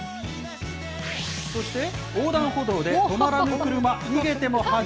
そして、横断歩道で止まらぬ車逃げても恥。